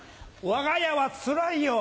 わが家はつらいよ。